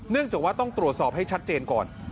จากว่าต้องตรวจสอบให้ชัดเจนก่อน